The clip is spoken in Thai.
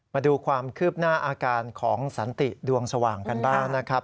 มาดูความคืบหน้าอาการของสันติดวงสว่างกันบ้างนะครับ